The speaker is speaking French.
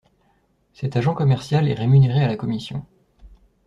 Cet agent commercial est rémunéré à la commission.